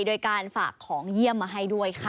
โดยการฝากของเยี่ยมมาให้ด้วยค่ะ